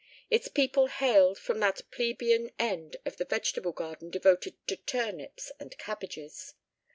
Its people hailed from that plebeian end of the vegetable garden devoted to turnips and cabbages.